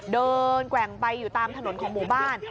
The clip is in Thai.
แกว่งไปอยู่ตามถนนของหมู่บ้าน